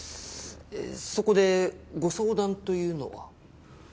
そこでご相談というのは？